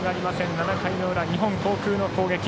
７回の裏、日本航空の攻撃。